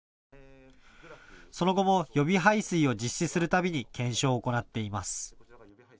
その後も予備排水を実施するたびに検証を行っています。